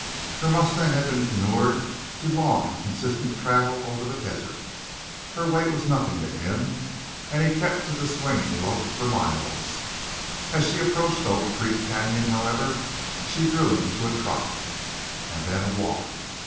Her mustang had been inured to long and consistent travel over the desert. Her weight was nothing to him and he kept to the swinging lope for miles. As she approached Oak Creek Canyon, however, she drew him to a trot, and then a walk.